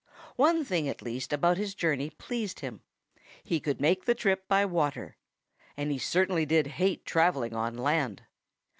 One thing, at least, about his journey pleased him: he could make the trip by water and he certainly did hate travelling on land.